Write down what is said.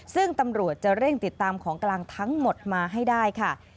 ซึ่งตำรวจจะเร่งติดตามของกลางทั้งหมดมาให้ได้ค่ะ